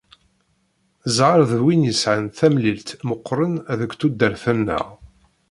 Ẓẓher d win yesεan tamlilt meqqren deg tudert-nneɣ.